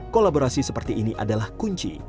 kolaborasi seperti ini adalah kunci